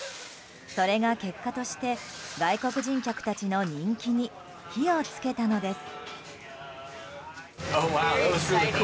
それが結果として外国人客たちの人気に火を付けたのです。